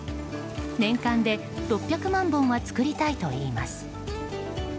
年間で６００万本は作りたいといいます。